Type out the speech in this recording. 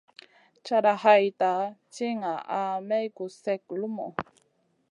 Cata hayta ka ti ŋaʼa naa may gus slèkka lumuʼu.